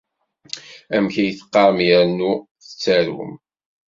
Amek ay teqqarem yernu tettarum?